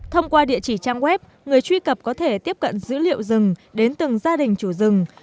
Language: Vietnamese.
thông qua địa chỉ trang web người truy cập có thể tiếp cận dữ liệu rừng đến từng gia đình chủ rừng